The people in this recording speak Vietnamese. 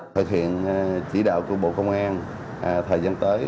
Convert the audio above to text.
thời thiện chỉ đạo của bộ công an thời gian tới